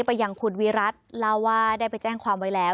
ไปยังคุณวิรัติเล่าว่าได้ไปแจ้งความไว้แล้ว